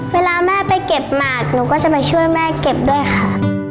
เวลาแม่ไปเก็บหมากหนูก็จะไปช่วยแม่เก็บด้วยค่ะ